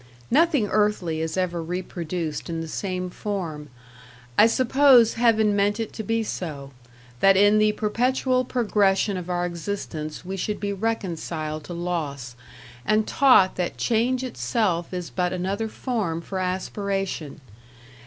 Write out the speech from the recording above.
Nothing earthly is ever reproduced in the same form. I suppose Heaven meant it to be so; that in the perpetual progression of our existence we should be reconciled to loss, and taught that change itself is but another form for aspiration.